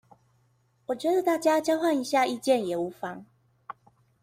我覺得大家交換一下意見也無妨